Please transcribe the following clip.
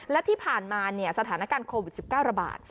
และที่ผ่านมาสถานการณ์โควิด๑๙ระบาด